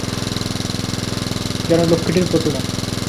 যেন লক্ষ্মীটির প্রতিমা!